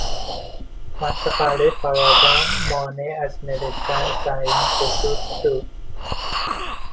مشغله فراوان مانع از نوشتن در این خصوص شد